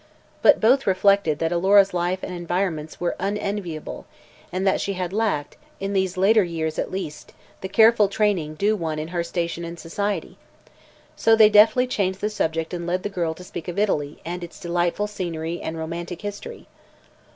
But both reflected that Alora's life and environments were unenviable and that she had lacked, in these later years at least, the careful training due one in her station in society. So they deftly changed the subject and led the girl to speak of Italy and its delightful scenery and romantic history.